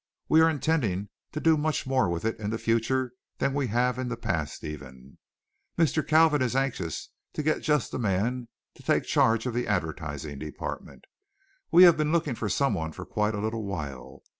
"We are intending to do much more with it in the future than we have in the past even. Mr. Kalvin is anxious to get just the man to take charge of the advertising department. We have been looking for someone for quite a little while.